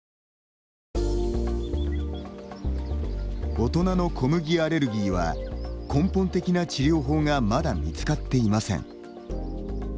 大人の小麦アレルギーは根本的な治療法がまだ見つかっていません。